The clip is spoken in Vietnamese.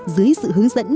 dưới sự hướng dẫn